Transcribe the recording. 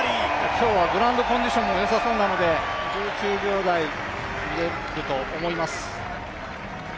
今日はグラウンドコンディションもよさそうなので１９秒台見れると思います。